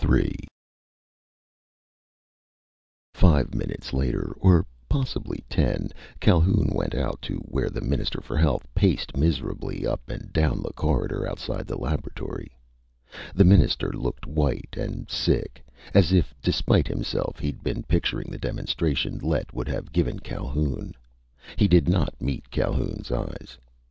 III Five minutes later, or possibly ten, Calhoun went out to where the Minister for Health paced miserably up and down the corridor outside the laboratory. The Minister looked white and sick, as if despite himself he'd been picturing the demonstration Lett would have given Calhoun. He did not meet Calhoun's eyes.